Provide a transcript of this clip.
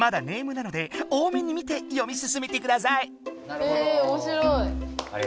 ネームなので大目に見て読みすすめてください！